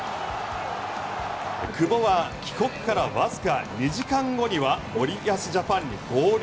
久保は帰国からわずか２時間後には森保ジャパンに合流。